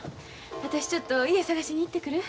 私ちょっと家探しに行ってくる。